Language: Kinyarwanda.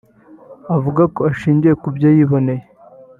avuga ko ashingiye ku byo yiboneye